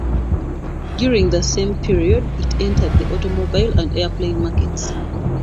During the same period it entered the automobile and airplane markets.